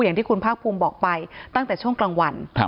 อย่างที่คุณภาคภูมิบอกไปตั้งแต่ช่วงกลางวัน